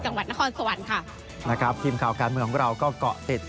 จังหวัดนครสวรรค์ค่ะนะครับทีมข่าวการเมืองของเราก็เกาะติด